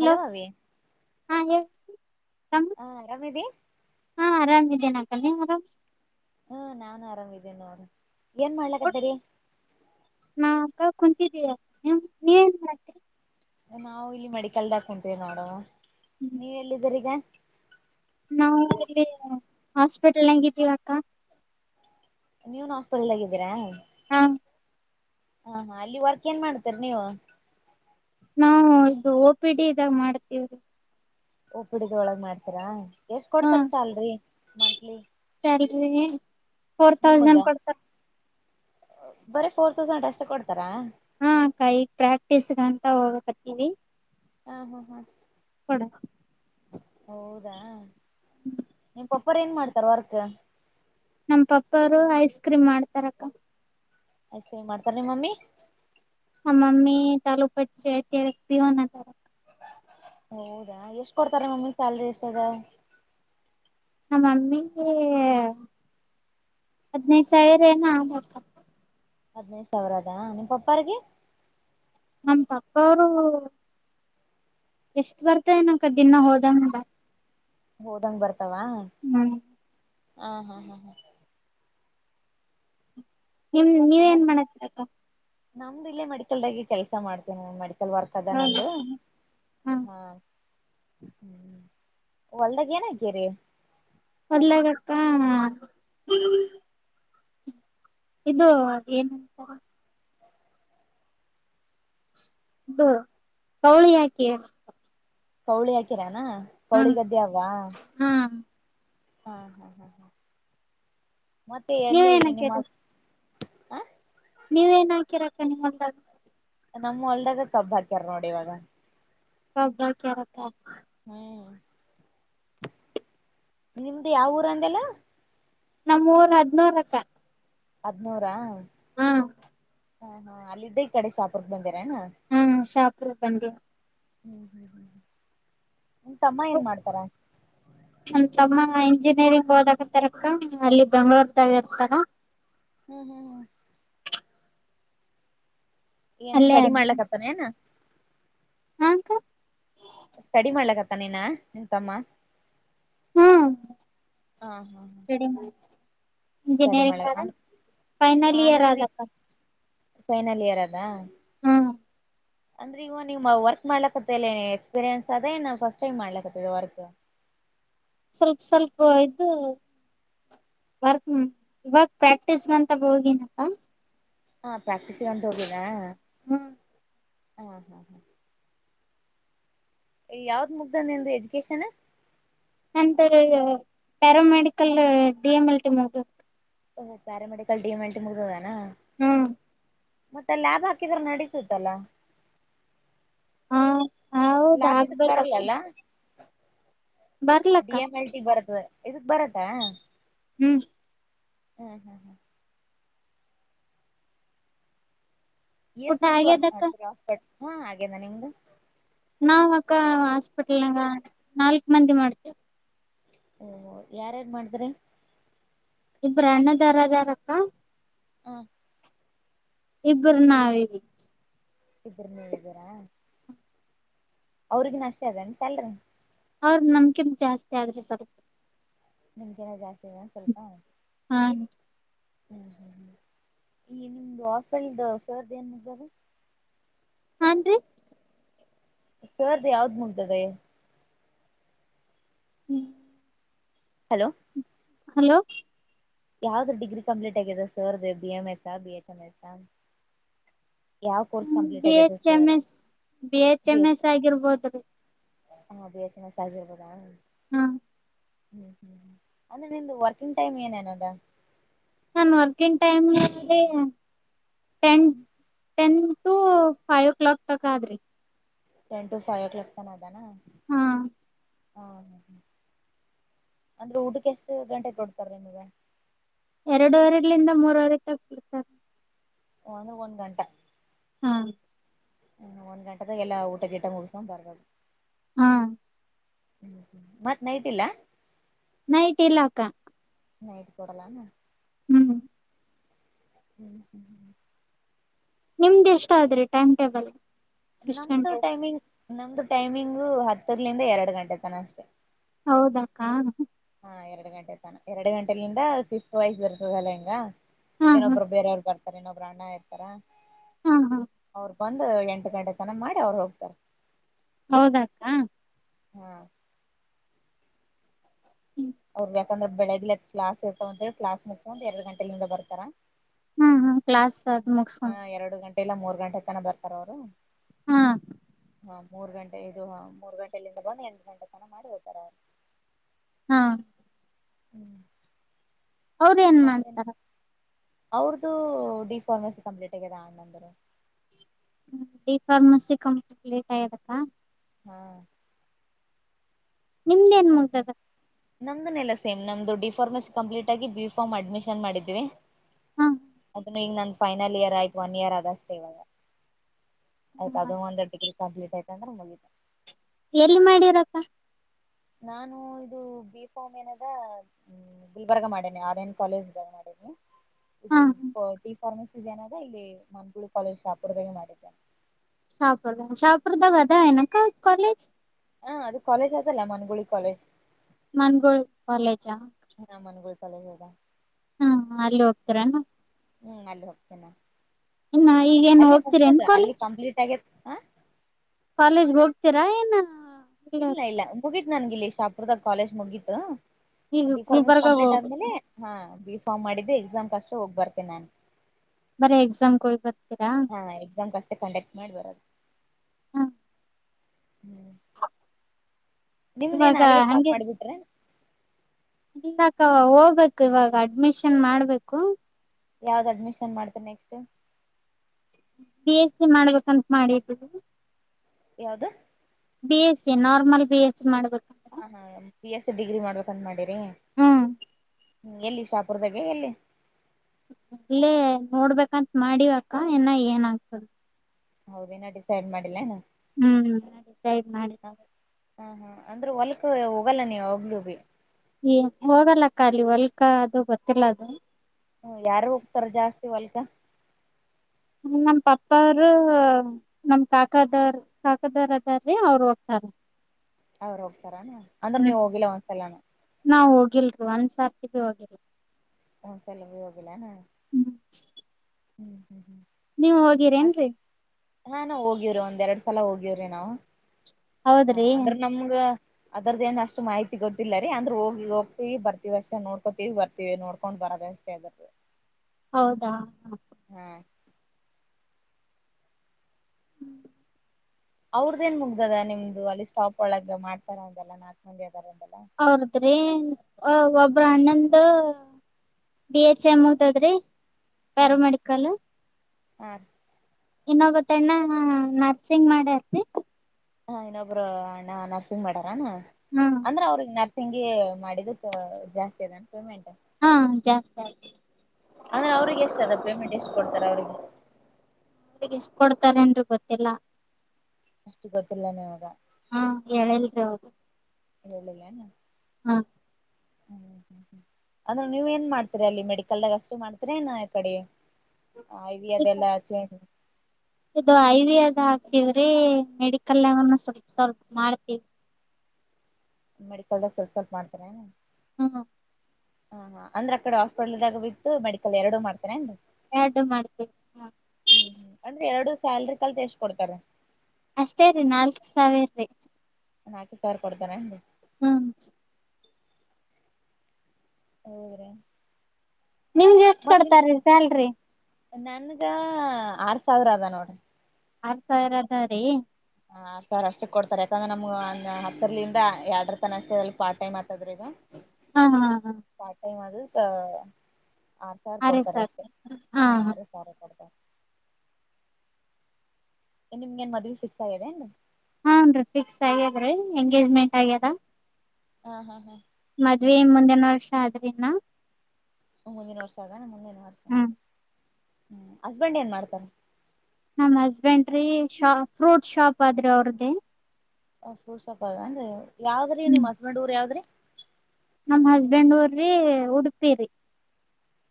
Hello ಅವಿ ಹಾ ಹೇಳ ಹಾ ಆರಾಮದಿ ಹಾ ಆರಾಮ್ ಇದೇ ನಕನ್ನ ಆರಾಮ್ ಹ್ಮ ನಾನು ಆರಾಮ್ಿದ್ದೇನ ಅವ್ರ ಏನ್ ಮಾಡ್ಲಕ್ಕ್ದರಿ ಕುಂತಿದೀಯ ನೀ ನೀವ ನ್ ಮಾಡ್ತರಿ ನಾವು ಇಲ್ಲಿ ಮೆಡಿಕಲ್ದಾಕ ಕುಂಟೀವಿ ನೋಡು ನೀವ ಎಲ್ಲಿದ್ದೀರಿ ಈಗ ನಾವು ಇಲ್ಲಿ ಹಾಸ್ಪಿಟಲ್ ನಂಗವಿ ತ್ತ ನೀವನ್ ಹಾಸ್ಪೆಟಲ್ಾಗಿದ್ದೀರಾ ಹಾ ಹಾ ಹಾ ಅಲ್ಲಿ ವರ್ಕ್ ಏನ್ ಮಾಡ್ತೀರಿ ನೀವು ನಾವವು ಇದು ಪಿ ಡಿ ಇದಾಗ ಮಾಡ್ತಿೀವ್ರಿ ಉಪ್ಪಡಿದ ಒಳಗ್ ಮಾಡ್ತೀರಾ ಎಷ್ಟ ಹಾ ಕೊಡ್ತಾರ ಸ್ಯಾಲ್ರಿ ಮಂತ್ಲಿ ಹ್ಮ ಫೋರ್ ತೌಸಂಡ್ ನಿಮಗ ಕೊಡ್ತಾರೆ ಬರೀ ಫೋರ್ ತೌಸಂಡ್ ಅಷ್ಟೆ ಕೊಡ್ತಾರಾ ಹಾ ಕೈ ಪ್ರಾಕ್ಟೀಸ್ಗಂತ ಹೋಗಕತ್ತೀವಿ ಹಾ ಹಾ ಹಾ ಕೊಡ ಹೌದಾ ನೀ ಪ ಒಪರ್ ಏನ್ ಮಾಡ್ತಾರ ವರ್ಕ್ ನಮ ಪಪ್ಪರು ಐಸ್ ಕ್ರೀಮ್ ಮಾಡ್ತಾರಕ್ಕ ಆಯ್ತ ಮಾಡ್ತಾರ ನಿಮ್ಮಮ್ಮಿ ಹ ಮಮ್ಮೀ ತಲುು ಪತ್ತು ಅ ಪೀವನ ತಾರ ಹೌದಾ ಎಷ್ಟ್ ಕೊಡ್ತಾರ ಮಮ್ಮಿ ಸ್ಯಾಲ್ರಿ ಎಷ್ಟದ ನಮ್ಮಮ್ಮಿಗೆ ಹದ್ನೈದ ಸಾವಿರ ಏನ ಆಗ ಹದ್ನೈದು ಸಾವಿರ ಅದಾ ನಿ ಪಪ್ಪಾರ್ಿಗೆ ನ ತಪ್ಪಾರು ಎಷ್ಟ ಬರ್ತಾ ನಕ ದಿನ ಹೋದಂಗ ಹೋದಂಗ್ ಬರ್ತ ವಾ ಹ್ಮ್ ಹಾ ಹಾ ಹಾ ಹಾ ನಿಮ ನೀವ್ ಏನ್ ಮತ್ ಮಾಡತ್ತೀರಕ್ಕ ನಮ್ದು ಇೇ ಮೆಡಿಕಲ್ದಾಗಿ ಕೆಲಸ ಮಾಡ್ತೇನೆ ಮೆಡಲ್ ಬರ್ತದ ನಂದು ಹೌದಕ್ಕ ಹ ಹಾ ಹ್ಮ ಹೊಲ್ದಾಗ ಏನಾಗ್ಯರಿ ಒಲ್ಲಾಗತ್ತಾ ಇದು ಅ ಏನ್ಂತ ಅದು ಕೌಳಿ ಯಾಕೆ ಕೌಳಿ ಹಾಕಿರ ಕೌಳಿಗದ್ದೆ ಅವ್ವಾ ಹಾ ಹಾ ಹಾ ಹಾ ಹ ಮತ್ತೆ ನೀವ್ ಎಲ್ಲಿ ಏನ್ ನಿಮ್ಮ ಹ ನೀವ ಏನ್ ಹಾಕಿರಕ್ಕ ನೀವೆಲ್ಲ ನಮ್ಮ ಹೊಲ್ದಾಗ ಕಬ್ ಹಾಕ್ಯಾರ ನೋಡಿ ಇವಾಗ ಒಬ್ಬ ಕರತ್ತ ಹ್ಮ್ ನಿಮ್ದು ಯಾವ ಊರ ಅಂದಲ್ಲ ನಮ್ಮೂರ್ ಹದನೂರಕ್ಕ ಹದ್ನೂರಾ ಹಾ ಹಾ ಹಾ ಅಲ್ಲಿದ್ದೇ ಈ ಕಡೆ ಸಾಪ್ರ ಬಂದ ಹ್ಮ ಶಾಪ್ ಬಂದ ಹ್ಮ್ ಹ್ಮ್ ಹ ನ ತಮ್ಮ ಏನ್ ಮಾಡ್ತಾರ ನಮ್ ತಮ್ಮ ಇಂಜಿನಿಯರಿಂಗ್ ಓದಕ ತರಕ ಅಲ್ಲಿ ಬೆಂಗ್ಳೂರ್ದಾಗ ಇರ್ತಾರ ಹ್ಮ್ ಹ್ಮ್ ಹ್ಮ್ ಏನ್, ಅಲ್ಲೇ ಸ್ಟಡಿ ಅದ ಮಾಡ್ಲಕ್ಕತ್ತಾನ ಏನು? [inaudible] ಹಾ, ಅಕ್ಕ.. [inaudible] ಸ್ಟಡಿ, ಮಾಡುಕುಕರುತಣ್ಣ, ನಿನ್ ತಮ್ಮ. [inaudible] ಹ್ಮ್ ಹಾ, ಹಾ, ಹಾ. [inaudible] ಸ್ಟಡಿ ಮಾಡ ಸ್ಟಡಿ ಮಾಡ ಇಂಜಿನಿಯರಿಂಗ್, ಅದೇ, ಫೈನಲ್ ಇಯರ್ ಅಂದ್ರೆ ನೀ ಆದಕ್ಕ? [inaudible] ಫೈನಲ್, ಇಯರ್ ಅದಾ? [inaudible] ಅಂದ್ರೆ ಇಗ ನಿಮ್ಮ ವರ್ಕ್ ಮಾಡ್ಲಕತ್ತಲ್ಲ ಎಕ್ಸ್ಪೀರಿಯನ್ಸ್ ಅದ ಏನು ಫಸ್ಟ್ ಟೈಮ್ ಮಾಡ್ಲಕತ್ತ ವರ್ಕ್. ಸ್ವಲ್ಪ, ಸ್ವಲ್ಪ ಇದು ವರ್ಕ್ ಇವಾಗ ಪ್ರಾಕ್ಟೀಸ್ ಅಂತ ಹೋಗಿನಕ್ಕ. ಹಾ. ಪ್ರಟಿಸ್ಗೆ ಅಂತ ಹೋಗಿದ್ಯ. ಹ್ಮ ಹ್ಮ್ ಹ್ಮ್ಮ್. ಯಾವ್ದ್, ಮುಗ್ದ ನಿಂದು ಎಜುಕೇಶನ್. ನಂತರ ಇದು para medical D M L T ಮುಗ್ದದ. ಓ para medical D M L T ಮುಗ್ದದಾನು. ಹ್ಮ್ ಮತ್ತೆ ಲಬ್ ಹಾಕಿದ್ರೆ ನಡೀತಿತಲ್ಲ. ಹ್ಮ. ಲಾಭ, ಇದಕ್ ಬರಲ್ಲಲ್ಲ. ಡಿ ಬರ್ಲಕ್ಕ ಎಂ, ಎಲ್, ಟಿ ಬರ್ತದ. ಇದಕ್, ಬರತ್ತಾ. ಹ್ಮ್. ಹ್ಮ್, ಹ್ಮ್, ಹ್ಮ್. ಎಷ್ಟ, ಊಟ ಮಂದಿ ವರ್ಕ್, ಆಗ್ಯದಕ್ಕ ಮಾಡುತ್ತಾರೆ ಹಾಸ್ಪಿಟಲ್. ಹಾ, ಹಾಗೇನ ನಿಮ್ದು. ನಾವ, ಅಕ್ಕ ಹಾಸ್ಪಿಟಲ್ಂಗ ನಾಲ್ಕ್ ಮಂದಿ ಮಾಡ್ತೇವೆ. ಓಹೊ ಯಾರ್ಯಾರು ಮಾಡ್ತೀರಿ. ಇಬ್ರು ಅಣ್ಣದೊರು ಅದರಕ್ಕ. ಹ್ಮ ಇಬ್ರು ನಾವಿದಿವಿ. ಇಬ್ರು ನೀವ್ ಇದೀರಾ. ಅವ್ರಿಗನೂ, ಅಷ್ಟೇ ಅದೇ ಏನೂ ಸ್ಯಾಲ್ರಿ. ಅವ್ರ, ನಮ್ಕಿಂತ ಜಾಸ್ತಿ ಆದ್ರಿ ಸ್ವಲ್ಪು. ನಿಮ್ ಕಿನ ಜಾಸ್ತಿ ಅದೇನ್ ಸ್ವಲ್ಪ. ಹ್ಮ್ ರಿ. ಹ್ಮ್, ಹ್ಮ್, ಹ್ಮ, ಈ ನಿಮ್ದು ಹಾಸ್ಪಿಟಾಲ್ಧು, ಸರ್ ಏನ್ ಹೆಸ್ರಾದ. ಹಾನ್ ರಿ ಸರ್ ದು ಯಾವುದು ಮುಗಿದದೆ. ಹ್ಮ ಹಲೋ! ಹಲೋ ಯಾವ್ದ್ರ ಡಿಗ್ರಿ ಕಂಪ್ಲೀಟ್ ಆಗ್ಯದ ಸರ್ ದು ಬಿ ಎಂ ಎಸ್ ಹ ಬಿ ಎಸ್ ಎಂ ಎಸ್ ಹಾ. ಹ್ಮ್, B H, M, S. B H M S, ಹಾಗಿರುಬೋಹುದು ರಿ ಹಾ ಬೀ ಎಸ್ ಎಮ್ ಎಸ್ ಆಗಿರಬೋದಾ. ಹ್ಮ ಹ್ಮ್ ಹ್ಮ್ ಅಂದ್ರೆ ನಿಮ್ದ ವರ್ಕಿಂಗ್ ಟೈಮ್ ಏನೇನದಾ. ನನ್ ವರ್ಕ ಇನ್ ಟೈಮ್ ಅಲ್ಲಿ. [inaudible] Ten to five o'clock ತಕ್ ಆದ್ರಿ. Ten to five o'clock ತನ ಆದನ ಹಾ ಹಾ ಹ ಹ್ಮ್ ಅಂದ್ರೆ ಊಟಕ್ಕೆ ಎಷ್ಟು ಗಂಟೆ ಕೊಡ್ತಾರ ನಿಮಗ ಎರಡೂುವರೆಲಿಂದ ಮೂರವರೆ ತಗಡ್ತಾರೆ ಒನು ಒನ್ ಗಂಟೆ ಹಾ ಹ್ಮ ಒಂದ್ ಗಂಟೆದಾಗ ಎಲ್ಲಾ ಊಟ ಗಿಟ ಮುಗಸಕೊಂಡ್ ಬರೋದು ಹ್ಮ ಹ್ಮ ಮತ್ತ್ ನೈ್ದಿಲ್ಲ ನೈಟ್ ಇಲ್ಲಾಕ್ಕ ನೈಟ್ ಕೊಡಲಾನ ಹ್ಮ್ ಹ್ಮ್ ಹ್ಮ್ ನಿಮ್ದ್ ಎಷ್ಟ ಆದ್ರಿ ಟೈಮ್ ಟೇಬಲ್ ಎಷ್ಟ್ ನಮ್ದು ಗಂಟೆ ಟೈಮಿಂಗ್ ನಮ್ದು ಟೈಮಿಂಗು ಹತ್ತರ್ಲಿಂದ ಎರಡು ಗಂಟೆ ತನ ಅಷ್ಟೇ ಹೌದಾಕ್ಕಾ ಹಾ ಎರಡು ಗಂಟೆ ತನ ಎರಡು ಗಂಟೆಲಿಿಂದ ಸ್ವಿಫ್ಟ್ ವೈಸ್ ಬರ್ತದಲ್ಲಾ ಹಿಂಗ ನ ಹಾ ಅಪರ ಬರ ಯ ಸ ನೋ ಬ್ರಾಣ ಇರ್ತಾ ಹಾ ಹಾ ಒಂದು ಎಂಟು ಗಂಟೆ ತನಕ ಮಾಡಿ ಅವ್ರು ಹೋಗ್ತಾರೆ ಹೌದಾಕ್ಕ ಹ್ಮ್ ಅವ್ರ ಯಕಂದ್ರ ಬೆಳಗ್ಿ ಅ ಕ್ಲಾಸ್ ಇರ್ತಾವ ಅಂದ್ರೆ ಕ್ಲಾಸ್ ಮುಕ್ಸ ಒಂದ್ ಎರಡು ಗಂಟೆಲಿಂದ ಬರ್ತಾರ ಹ್ಮ್ ಹ್ಮ ಕ್ಲಾಸ್ ಮುಗಸ್ಕೊಂಡ ಮ ಎಲ್ಲ ಮೂರ್ ಗಂಟೆ ತನ ಬರ್ತಾರ ಅವ್ರು ಹಾ ಹಾ ಮೂರ್ ಗಂಟೆ ಇದು ಹಾ ಮೂರ್ ಗಂಟೆೆಯಲ್ಲಿಂದ ಬಂದು ಎಂಟ ಗಂಟೆ ತನ ಮಾಡಿ ಓ್ತಾರ ಅವರು ಹ್ಮ ಹ್ಮ್ ಅವ್ರ ಏನ್ ಮಾಡ್ತಾರ ಅವ್ರದುು ಡಿಫಾರ್ಮಸಿ ಕಂಪ್ಲೀಟ್ ಆಗ್ಯದ ಅಣ್ಣಂದರು ಡಿಫಾರ್ಮಸಿ ಕಂಪ್ಲೀಟ್ ಆಯ್ಯದಕ್ಕ ಹ್ಮ್ ನಿಮ್ದ ಏನ್ ಮುತದ ನಮ್ದುನೆೆಲ್ಲ ಸೇಮ್ ನಮ್ದು ಡಿ ಫಾರ್ಮಸಿ ಕಂಪ್ಲೀಟ್ ಆಗಿ ಬಿ ಫಾರ್ಮ್ ಅಡ್ಮಿಷನ್ ಮಾಡಿದ್ವಿ ಹಾ ಈಗ ಅದನ್ನು ನನ್ ಫೈನಲ್ ಇಯರ್ ಆಯ್ತು ಒನ್ ಇಯರ್ ಅದಷ್ಟೇ ಇವಾಗ ಆಯ್ತು ಅದು ಒಂದೆರಡು ಡಿಗ್ರಿ ಕಂಪ್ಲೀಟ್ ಆಯತ ಅಂದ್ರೆ ಮುಗಿತ ಎಲ್ಲಿ ಮಾಡಿರಪ್ಪ ನಾನು ಇದು ಬಿ ಫೋಮ್ ಏನದ ಗುಲ್ಬರ್ಗ ಮಾಡೇನೆ ಆರ್ ಎನ್ ಕಾಲೇಜ್ಾಗ ಮಾಡೇನಿ ಹಾ ಹಾ ಇದುಟಿ ಫಾರ್ಮಸಿನ ಇಲ್ಲಿ ಮಕುಳಿ ಕಾಲೇಜ್ ಶಾಪುರದಾಗೆ ಮಾಡಿದ್ದ ಶಾಹಪುರದ ಶಾಹಪುರದ ಬಾ ನ ಕ ಕಾಲಜ ಹಾ ಅದು ಕಾಲೇಜ್ ಅದಲ್ಲ ಮನಗುಳಿ ಕಾಲೇಜ್ ಮನ್ಗೂಳ್ ಕಾಲೇಜಾ ಸಾಲಂಗಾ ಹಾ ಅಲ್ಲಿ ಹೋಗ್ತರ ಹ್ಮ್ ಅಲ್ಲಿ ಹೋಗತೇನಾ ಈಗೇನ್ ಅಲ್ಲಿ ಹೋಗ್ತೀರೇನ್ ಮುಗ್ದದ ಅಲ್ಲಿ ಕಂಪ್ಲೀಟ್ ಆಗೇ ಕಾಲೇಜ್ ಹೋಗ್ತೀರಾ ಏನ್ ಇಲ್ಲ ಇಲ್ಲ ಮುಗೀತು ನನ್ಗ ಇಲ್ಲಿ ಶಾಪುರದಾಗ ಕಾಲೇಜ್ ಮುಗೀಿತು ಈಗ ಡಿಫಾರ್ಮಸ್ ಗುಲ್ಬರ್ಗಾಗ ಕಂಪ್ಲೀಟ್ ಹೋಗ್ಬೇಕು ಆದ್ಮೇಲೆ ಹಾ ರಿಫಾರ್ಮ್ ಮಾಡಿದೆ ಎಕ್ಸಾಮ್ ಕಷ್ಟ ಹೋಗ್ ಬರ್ತೆೇನೆ ನಾನ್ ಬರ ಎಕ್ಸಾಮ ಕ ಬ ಹಾ ಎಕ್ಸಾಮ್ ಅಷ್ಟೇ ಕಂಡಕ್ಟ್ ಮಾಡಿ ಬರೋದು ಹ್ಮ ಹ್ಮ್ ನಿಮ್್ದೇನ್ ಇವಾಗ ಅಲ್ಲಿಿಗೆ ಸ್ಟಾಪ್ ಮಾಡಿಬಿಟ್ರೆ ಇಲ್ಲಾಕ್ಕವಾ ಹೋಗ್ಬೇಕು ಇವಾಗ ಅಡ್ಮಿಷನ್ ಮಾಡ್ಬೇಕು ಯಾವ್ದ್ ಅಡ್ಮಿಷನ್ ಮಾಡ್ತಾರೆ ನೆಕ್ಸ್ಟ್ ಬಿ ಎಸ್ ಸಿ ಮಾಡ್ಬೇಕಂತ ಮಾಡಿದ್ದೀವಿ ಯಾವ್ದ B S C normal B S C ಮಾಡ್ಬೇಕಂತ ಹ ಹಾ ಪ ಎಸ್ ಡಿಗ್ರಿ ಮಾಡಬೇಕ ಅಂತ ಮಾಡಿರಿ ಹ್ಮ್ ಹ್ಮ್ ಎಲ್ಲಿ ಶಾಪುರದಾಗೆ ಎಲ್ಲಿ ಅಲ್ಲೇ ನೋಡ್ಬೇಕಂತ ಮಾಡಿವಕ್ಕ ಇನ್ನ ಏನ್ ಆಗ್ತದೆ ಹೌದೇನ ಡಿಸೈಡ್ ಮಾಡಿಲ್ಲನ ಹ್ಮ್ ಮಾಡಿ ಸರಿ ಮಾಡಿ ಹ್ಮ ಹ್ಮ ಅಂದ್ರೆ ಹೊಲ್ಕ್ ಹೋಗಲ್ಲ ನೀವ ಹೋಗಲುೂ ಬಿೀ ಏ ಹೋಗಲ್ಲ ಖಾಲಿ ಹೊಲ್ಕಾ ಅದು ಗೊತ್ತಿಲ್ಲ ಅದು ಹ ಯಾರು ಹೋಗ್ತಾರ ಜಾಸ್ತಿ ಹೊಲ್ಕ ನಮ್ ಪಪ್ಪ ಅವರು ನಮ ಕಾಕದ ಕಾಕದಾರ್ ಅದೀ ಅವರು ಹೋಗ್ತಾರ ಅವ್ರ ಹೋಗ್ತಾರಾನ ಅಂದ್ರೆ ನೀವ ಹ್ಮ್ ಹೋಗಿಲ್ಲ ಒಂದ್ಸಲಾನ ನಾವ್ ಹೋಗಿಲ್ರಿ ಒಂದ್ ಸರ್ತಿ ಭಿ ಹೋಗಿರ ಹ ಸಲ್ಲ ಹೋಗಲ್ಲಣ ಹ್ಮ್ ಹ್ಮ್ ಹ್ಮ್ ನೀವು ಹೋಗಿರ ನ್ರಿ ಹಾ ನಾವವು ಹೋಗಿವವ್ರಿ ಒಂದ್ ಎರಡ್ ಸಲ ಹೋಗಿವವ್ರಿ ನಾವವು ಹಾ ಹೌದ್ರಿ ಅ್ರೆ ನಮಗ ಅದರ್ದೇನು ಅಷ್ಟು ಮಾಹಿತಿ ಗೊತ್ತಿಲ್ಲ ರಿ ಅಂದ್ರೆ ಹೋಗಿ ಹೋಗ್ತಿವಿ ಬರ್ತಿವಿ ಅಷ್ಟೇ ನೋಡ್ಕೋತೀವಿ ಬರ್ತಿವಿ ನೋಡ್ಕೊಂಡ್ ಬರದ ಅಷ್ಟೇ ಅದು ಹೌದಾ ಹ್ಮು ಅವ್ರದೇನ್ ನಿಮ್ದಾಗ ನಿಮ್ದು್ ಒಲಿಸ್ವಾಪ್ ಒಳಗ ಮಾಡ್ತಾರಂದಲ್ಲ ನಾಕ ಮಂದೆ ಅವ್ರಿದ್ರಿ ಔ ಒಬ್ ಪ್ರ ಅಣ್ಣಂಗೆ ಡಿ ಎಚ್ ಎಂ ಹಂತಿದ್ರಿ ಪ್ಯಾರಾಮೆಡಿಕಲ್ಲು ಹ್ಮು ಇನ್ನೊಬ್ಬತ್ತಣ್ಣಾ ನರ್ಸಿಂಗ್ ಮಾಡತ್ತಿ ಹ ಇನ್ನೊಬ್ರು ಅಣ್ಣಾ ನರ್ಸಿಂಗ್ ಮಾಡ ತಾನೆ ಹಾ ಅಂದ್ರೆ ಅವ್ರಿಗೆ ನರ್ ತಂಗಿ ಮಾಡಿದುಕ್ಕ ಜಾಸ್ತಿ ಅದನ್ ಪೇಮೆಂಟು ಹಾ ಜಾಸ್ತಿ ಆಯ್ತು ಆಮೇಲೆ ಅವ್ರಿಗೆ ಎಷ್ಟಾಗುತ್ತ್ ಪೇಮೆಂಟ್ ಎಷ್ಟು ಕೊಡ್ತಾರೆ ಅವ್ರಿಗೆ ಕೊಡ್ತಾರೆನ್ರಿ ಗೊತ್ತಿಲ್ಲ ಅಷ್ಟು ಗೊತ್ತಿಲ್ಲ ನಿವುಗ ಹ [inaudible] ಹೇಳ್ಳಿಲ್ಲೇನು ಹ್ಮು ಅಣ್ಣ ನೀವೇನ್ ಮಾಡ್ತೀರ ಅಲ್ಲಿ ಮೆಡಿಕಲ್ದಾಗ ಅಷ್ಟೇ ಮಾಡ್ತೀರ ಇನ್ನ ಯಕಡಿ [inaudible] ಇವ್ರೇ ಮೆಡಿಕಲ್ನಾವನ್ನ ಸೊಪ್ ಸ್ವಲ್ಪ ಮಾಡ್ತೀದ್ ಮೆಡಿಕಲ್ದಾಗ ಸ್ವಲ್ಪ ಸ್ವಲ್ಪ ಮಾಡ್ತನೆ ಹ್ಮು ಹಾ ಹಾ ಅಂದ್ರ ಅಕಡೆ ಹಾಸ್ಪಿಟಲ್ದಾಗ ಬಿತು ಮೆಡಿಕಲ್ ಎರಡುೂ ಮಾಡ್ತೇನೆ ಅಂದ ಎರ್ಡು ಮಾಡ್ಬೇಕ್ ಹಾ ಹ್ಮ್ ಅಂದ್ರೆ ಎರಡು ಸ್ಯಾಲ್ರಿ ಕಲ್ತು ಎಷ್ಟು ಕೊಡ್ತಾರೆ ಅಷ್ಟೇ ರೀ ನಾಲ್ಕ್ ಸಾವಿರ್ ರೀ ನಾಕೆ ಸವ್ರ್ ಕೊಡ್ತಾನೆರ್ರಿ ಹ್ಮ್ ಹೌರೇ ನಿಮ್ಗೆಷ್ಟು ಕೊಡ್ತಾರೀ ಸ್ಯಾಲ್ರಿ ನನಗಾ ಆರು ಸಾವಿರ ಅದ ನೋಡ್ರಿ ಆರ್ ಸಾವಿರ ಅದ ರೀ ಹ ಆರ್ಸಾವಿರ ಅಷ್ಟಕ್ ಕೊಡ್ತಾರೆ ಯಾಕಂದ್ರೆ ನಮ್ಗಂಗ ಹತ್ತರ್ಲಿಂದ ಎರ್ಡರುತನ ಅಷ್ಟೆ ಅಲ್ಲಿ ಪಾರ್ಟೈಮ್ ಆಯ್ತದ್ರಿ ಅದು ಹಾ ಹಾ ಹಾ ಹಾ್ ಆರ್ಸಾವಿರ್ ಆರೇ ಕೊಡ್ತಾರೆ ಸಾಕ್ ಅಷ್ಟೆ ಹಾ ಹ ಹಾ ಆರೆ ಸಾವಿರ ಕೊಡ್ತಾರೆ ಏನ್ ನಿಮ್ಗೇನ್ ಮದ್ವಿ ಫಿಕ್ಸ್ ಆಗಿದೆನ್ ಹಾನ್ರಿ ಫಿಕ್ಸ್ ಆಗ್ಯದ್ರೀ ಎಂಗೇಜ್ಮೆಂಟ್ ಆಗ್ಯದ ಹಾ ಹಾ ಹಾ ಮದ್ವೆ ಮುಂದಿನ ವರ್ಷ ಆದ್ರಿಿನ ಹ ಮುಂದಿನವ ವರ್ಷ ಸಾವ ನಮ್ಮ ಮುಂದೆ ಯ ಹ್ಮ ಹಸ್ಬೆಂಡ್ ಏನ್ ಮಾಡ್ತಾರ ನಮ ಹಸ್ಬೆಂಡ್ರಿ ಶಾ ಫ್ರೂಟ್ ಶಾಪ್ ಆದ್ರಿ ಅವ್ರ್ದೇ ಫ್ರೂಟ್ ಶಾಪ್ ಅಂದ್ರ ಯಾವ್ರಿ ನಿಮ್ ಹಸ್ಬೆಂಡ್ ಊರ್ ಯಾವ್ದ್ರಿ ನಮ ಹಸ್ಬೆಂಡ್ ಊರ್ರಿ ಉಡುಪಿ ರರಿ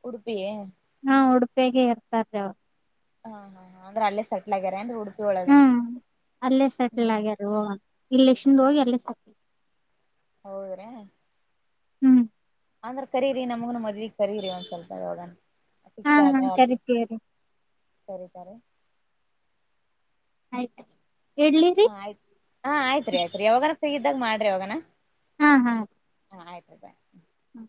ಉಡುಪಿಯೇ ಹಾ ಉಡುಪೆಗೆ ಇರ್ತಾರೀ ಅವ್ರು ಹಾ ಹಾ ಅ್ರ ಅಲ್ಲೇ ಸೆಟ್ ಆಗ್ಯಾರ ಅಂದ್ರೆ ಹಡು ಹ್ಮ್ ಅಲ್ಲೇ ಸೆಟಲ್ ಆಗ್ಯಾರ ಇಲ್ಲ ಶಿಂದ ಹೋಗಿ ಅಲ್ಲ ಸಾಕ ಹೌದ್ರೀ ಹ್ಮ್ ಅಂದ್ರ ಕರೀರಿ ನಮಗನು ಮದವಿ ಗಿ ಕರೀರಿ ಒಂದ್ವಲ್ಪ ಇವಾಗ ಹಾ ಹಾ ಕರಿತೀರಿ ತರಕಾರೆ ಆಯ್ತಾ ಹ ಆಯ್ತತ್ ಹಾ ಆಯ್ತ್ರಿ ಆಯ್ತ್ರಿ ಯಾವಾಗ ಹ ಇದಾಗ ಮಾಡ್ರಿ ಅವಾಗನಾ ಹ್ಮ ಹಾ ಹಾ ಆಯ್ತ ಹ್ಮ್